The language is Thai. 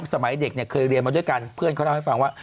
สมัยเด็กเนี่ยเคยเรียนมาด้วยกันเพื่อนเขาเล่าให้ฟังว่า